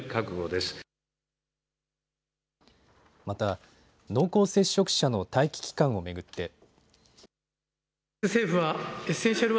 また、濃厚接触者の待機期間を巡って。